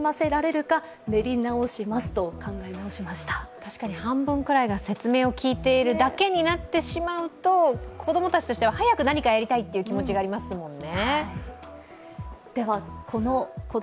確かに半分くらいが説明を聞いているだけになってしまうと子供たちとしては、早く何かやりたいって気持ち、ありますもんね。